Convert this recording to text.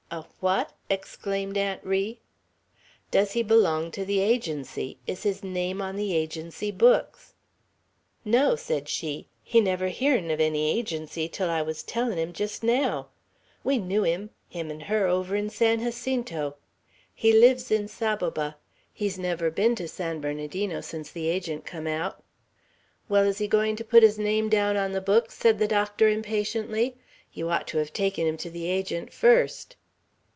"A what?" exclaimed Aunt Ri. "Does he belong to the Agency? Is his name on the Agency books?" "No," said she; "he never heern uv any Agency till I wuz tellin' him, jest naow. We knoo him, him 'n' her, over 'n San Jacinto. He lives in Saboba. He's never been to San Bernardino sence the Agent come aout." "Well, is he going to put his name down on the books?" said the doctor, impatiently. "You ought to have taken him to the Agent first."